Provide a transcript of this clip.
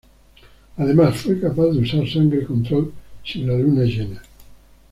Además, fue capaz de usar Sangre Control sin la luna llena.